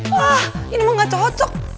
wah ini mah gak cocok